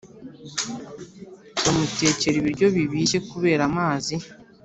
bumutekera ibiryo bibishye kubera amazi